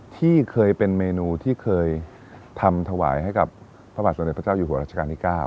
ที่เคยเป็นเมนูที่เคยทำถวายให้กับพระบาทสมเด็จพระเจ้าอยู่หัวราชการที่๙